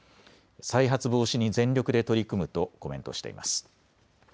再発防止に全力で取り組むとコメントしています。